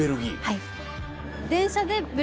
はい。